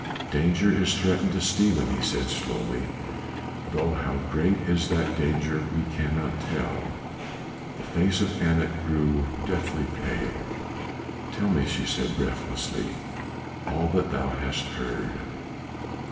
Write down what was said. "Danger is threatened to Stephen," he said slowly, "though how great is that danger we cannot tell." The face of Anat grew deathly pale. "Tell me " she said, breathlessly, "all that thou hast heard."